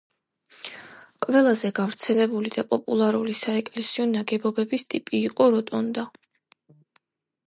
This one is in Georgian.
ყველაზე გავრცელებული და პოპულარული საეკლესიო ნაგებობების ტიპი იყო როტონდა.